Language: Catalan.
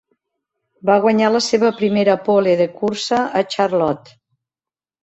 Va guanyar la seva primera pole de cursa a Charlotte.